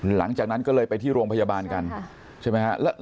หลังจากนั้นก็เลยไปที่โรงพยาบาลกันใช่ไหมฮะ